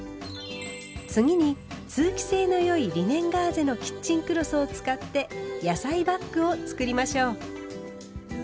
次に通気性の良いリネンガーゼのキッチンクロスを使って「野菜バッグ」を作りましょう。